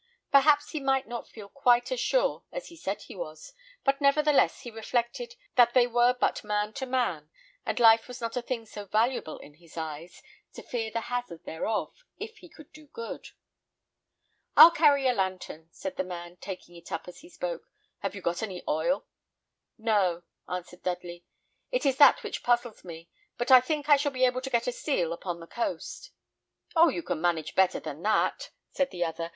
Perhaps he might not feel quite as sure as he said he was; but, nevertheless, he reflected that they were but man to man, and life was not a thing so valuable in his eyes, to fear the hazard thereof, if he could do good. "I'll carry your lantern," said the man, taking it up as he spoke. "Have you got any oil?" "No," answered Dudley; "it is that which puzzles me; but I think I shall be able to get a seal upon the coast." "Oh! you can manage better than that," said the other.